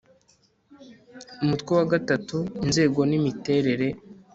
umutwe wa iii inzego n imiterere